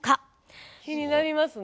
気になりますね。